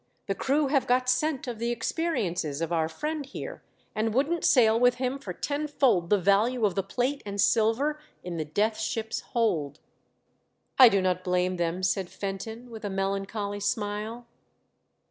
The crew have got scent of the experiences of our friend here and wouldn't sail with him for tenfold the value of the plate and silver in the Death Ship's hold." " I do not blame them," said Fenton, with a melancholy smile.